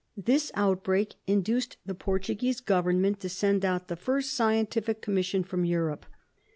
This outbreak induced the Portuguese Grovernment to send out the first scientific Com mission from Europe.